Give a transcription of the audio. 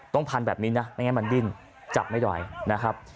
พันแบบนี้นะไม่งั้นมันดิ้นจับไม่ได้นะครับ